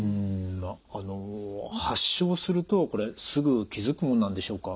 あの発症するとこれすぐ気付くものなんでしょうか？